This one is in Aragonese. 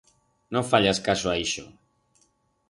No fayas caso a ixo.